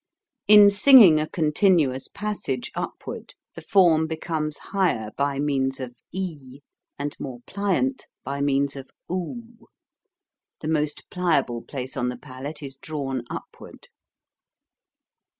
In singing a continuous passage upward the form becomes higher by means of e and more pliant by means of oo ; the most pliable place on the palate is drawn upward.